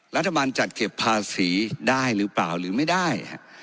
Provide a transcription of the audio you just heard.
รัฐบาลจัดเก็บภาษีได้หรือเปล่าหรือไม่ได้